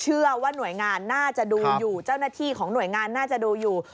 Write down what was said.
เชื่อว่าหน่วยงานน่าจะดูอยู่เจ้าหน้าที่ของหน่วยงานน่าจะดูอยู่